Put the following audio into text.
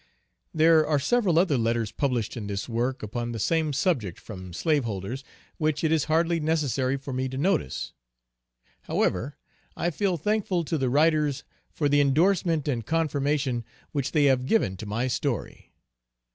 There are several other letters published in this work upon the same subject, from slaveholders, which it is hardly necessary for me to notice. However, I feel thankful to the writers for the endorsement and confirmation which they have given to my story.